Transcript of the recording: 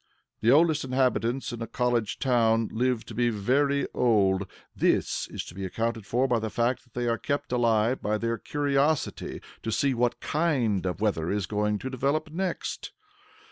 The oldest inhabitants in a College Town live to be very old; this is to be accounted for by the fact that they are kept alive by their curiosity to see what kind of weather is going to develop next.